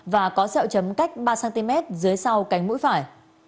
và có xeo chấm cách ba cm dưới sau cánh mũi phải